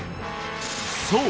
そう